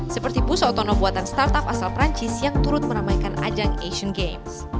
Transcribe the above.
seperti bus otonom buatan startup asal perancis yang turut meramaikan ajang asian games